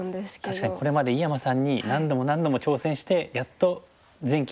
確かにこれまで井山さんに何度も何度も挑戦してやっと前期棋聖を奪ったんですよね。